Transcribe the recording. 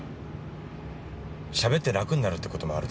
しゃべって楽になるって事もあるでしょ。